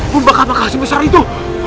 mumpaka makah sebesar itu